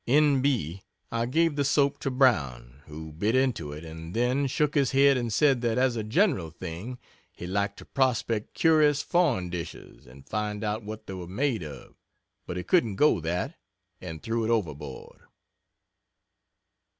(N. B. I gave the soap to Brown, who bit into it, and then. shook his head and said that, as a general thing, he liked to prospect curious, foreign dishes, and find out what they were made of, but he couldn't go that, and threw it overboard.)